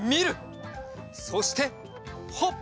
そしてはっ！